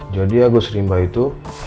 jadi ya lagu serimbang itu